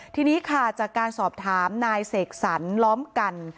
ทีนี้ค่ะจากการสอบถามนายเสกสรรล้อมกัน